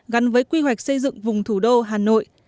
gắn với quy hoạch xây dựng vùng thủ đô hà nội